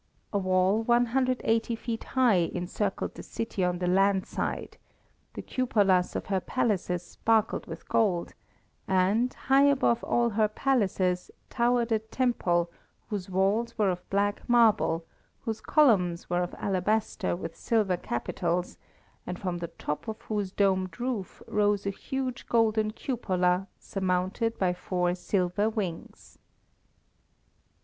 A wall 180 feet high encircled the city on the land side; the cupolas of her palaces sparkled with gold; and, high above all her palaces, towered a temple whose walls were of black marble, whose columns were of alabaster with silver capitals, and from the top of whose domed roof rose a huge golden cupola, surmounted by four silver wings.